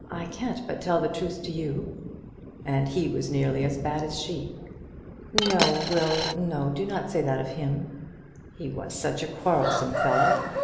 I can't but tell the truth to you." "And he was nearly as bad as she." "No, Will; no; do not say that of him." "He was such a quarrelsome fellow.